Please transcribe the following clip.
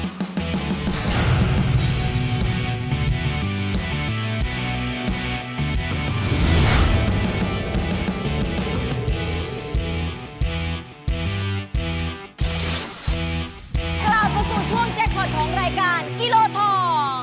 พอสู่ช่วงแจ็คพอร์ดของรายการกิโลทอง